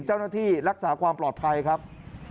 เจ้าหน้าที่รักษาความปลอดภัยครับ